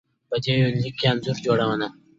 په دې يونليک کې انځور جوړونه